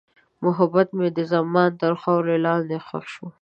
محبت مې د زمان تر خاورې لاندې ښخ شو.